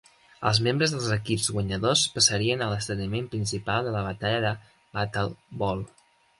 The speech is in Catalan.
Els membres dels equips guanyadors passarien a l'esdeveniment principal de la batalla de BattleBowl.